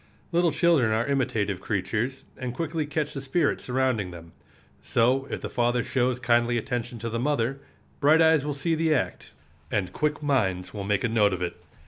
Little children are imitative creatures, and quickly catch the spirit surrounding them. So, if the father shows kindly attention to the mother, bright eyes will see the act, and quick minds will make a note of it.